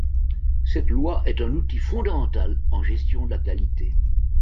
Cette loi est un outil fondamental en gestion de la qualité.